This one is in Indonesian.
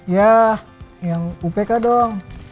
ya yang upk dong